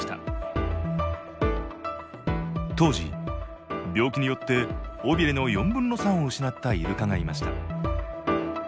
当時病気によって尾びれの４分の３を失ったイルカがいました。